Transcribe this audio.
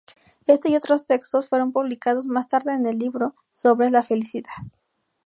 Éste y otros textos fueron publicados más tarde en el libro "Sobre la Felicidad".